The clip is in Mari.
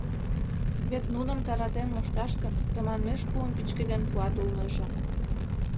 Вет нуным таратен мошташ гын, тыманмеш пуым пӱчкеден пуат улнеже.